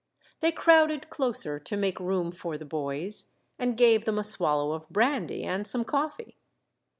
They crowded closer, to make room for the boys, and gave them a swallow of brandy and some coffee.